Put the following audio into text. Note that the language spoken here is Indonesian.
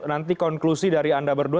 nanti konklusi dari anda berdua